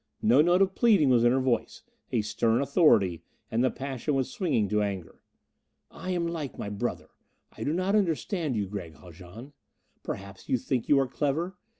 No note of pleading was in her voice; a stern authority; and the passion was swinging to anger. "I am like my brother: I do not understand you, Gregg Haljan. Perhaps you think you are clever?